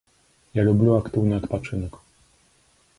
Я люблю актыўны адпачынак.